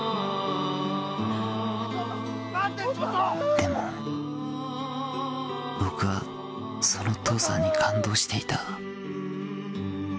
でも、僕はその父さんに感動していた。